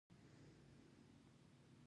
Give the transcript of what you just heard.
د شپې خواړه د کورنۍ ټول غړي سره راټولوي.